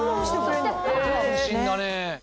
安心だね。